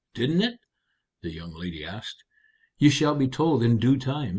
Didn't it?" the young lady asked. "You shall be told in due time.